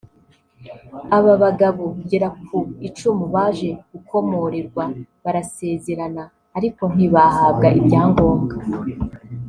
Aba bagabo gera ku icumi baje gukomorerwa barasezerana ariko ntibahabwa ibyangombwa